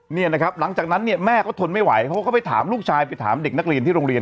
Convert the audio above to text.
เนี่ยนะครับหลังจากนั้นเนี่ยแม่ก็ทนไม่ไหวเขาก็ไปถามลูกชายไปถามเด็กนักเรียนที่โรงเรียน